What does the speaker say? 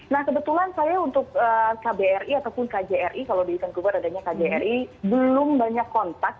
nah kebetulan saya untuk kbri ataupun kjri kalau di vancouver adanya kjri belum banyak kontak